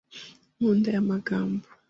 Nkunda aya magambo.